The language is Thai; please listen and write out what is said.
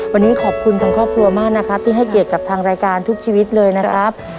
วันนี้ขอบคุณทางครอบครัวมากนะครับที่ให้เกียรติกับทางรายการทุกชีวิตเลยนะครับ